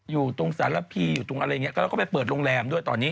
อยู่ตรงสารพีอยู่ตรงอะไรอย่างนี้แล้วก็ไปเปิดโรงแรมด้วยตอนนี้